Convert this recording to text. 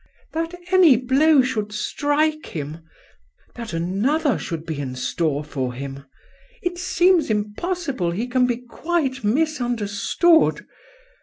" That any blow should strike him!" " That another should be in store for him!" " It seems impossible he can be quite misunderstood!"